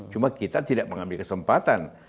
cuma kita tidak mengambil kesempatan